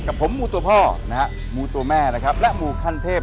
กับผมหมูตัวพ่อนะหมูตัวแม่และหมูคันเทพ